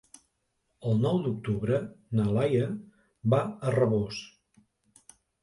El nou d'octubre na Laia va a Rabós.